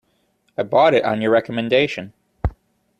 I bought it on your recommendation.